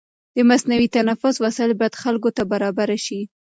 د مصنوعي تنفس وسایل باید خلکو ته برابر شي.